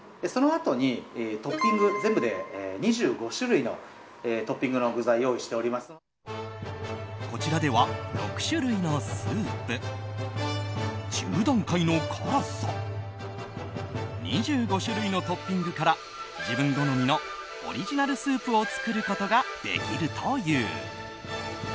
そのあとにトッピングで全部で２５種類のトッピングの具材をこちらでは、６種類のスープ１０段階の辛さ２５種類のトッピングから自分好みのオリジナルスープを作ることができるという。